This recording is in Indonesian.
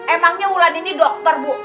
emangnya wulan ini dokter bu